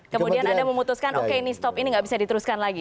kemudian anda memutuskan oke ini stop ini nggak bisa diteruskan lagi